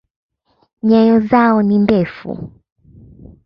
Nyayo zao ni ndefu.